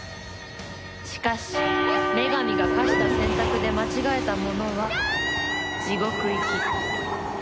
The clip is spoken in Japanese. しかし女神が課した選択で間違えた者は地獄行き。